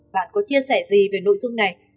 bạn có chia sẻ gì về nội dung này